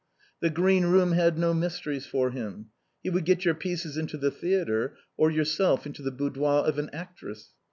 The green room had no mysteries for him. He would get your pieces into the theatre, or yourself into the boudoir of an actress.